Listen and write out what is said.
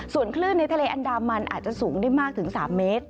ส่วนคลื่นในทะเลอันดามันอาจจะสูงได้มากถึง๓เมตร